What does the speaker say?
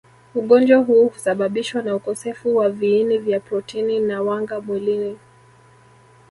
Ugonjwa huu husababishwa na ukosefu wa viini vya protini na wanga mwilini